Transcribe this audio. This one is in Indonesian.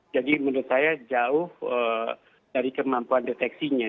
jadi menurut saya jauh dari kemampuan deteksinya